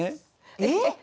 えっ！？